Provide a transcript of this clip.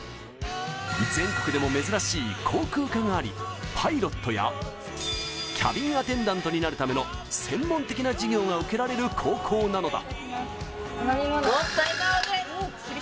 全国でも珍しい航空科がありパイロットやキャビンアテンダントになるための専門的な授業が受けられる高校なのだ。